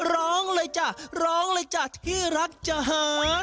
ร้องเลยจ้ะร้องเลยจ้ะที่รักจะหา